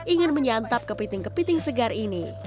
ingin menyantap kepiting kepiting segar ini